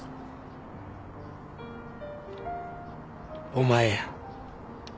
お前や。